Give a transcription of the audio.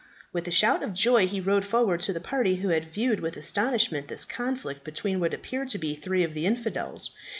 With a shout of joy he rode forward to the party who had viewed with astonishment this conflict between what appeared to be three of the infidels.